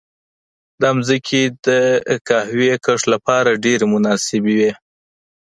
دا ځمکې د قهوې کښت لپاره ډېرې مناسبې وې.